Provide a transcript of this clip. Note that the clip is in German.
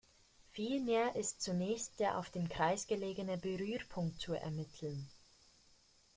Vielmehr ist zunächst der auf dem Kreis gelegene Berührpunkt zu ermitteln.